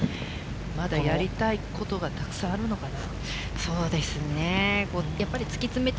まだやりたいことがたくさんあるのかな？